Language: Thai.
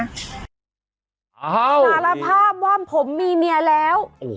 สารภาพว่าผมมีเมียแล้ว